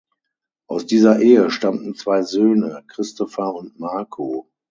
Aus dieser Ehe stammen zwei Söhne, Christopher und Marco.